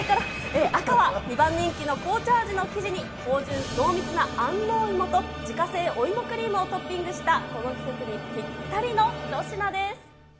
赤は２番人気の紅茶味の生地に芳じゅん、濃密な安納芋と自家製お芋クリームをトッピングした、この季節にぴったりの一品です。